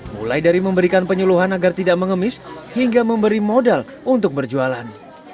mulai dari memberikan penyuluhan agar tidak mengemis hingga memberi modal untuk berjualan